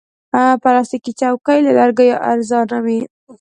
پلاستيکي چوکۍ له لرګیو ارزانه وي.